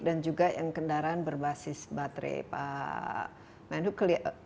dan juga yang kendaraan berbasis baterai